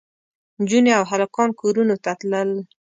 نجونې او هلکان کورونو ته تلل.